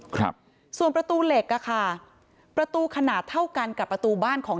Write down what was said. ครับส่วนประตูเหล็กอ่ะค่ะประตูขนาดเท่ากันกับประตูบ้านของ